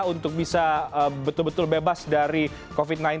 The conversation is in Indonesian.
untuk bisa betul betul bebas dari covid sembilan belas